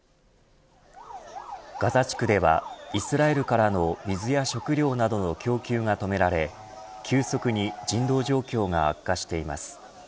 ガザ地区ではイスラエルからの水や食料などの供給が止められ急速に人道状況が悪化しています。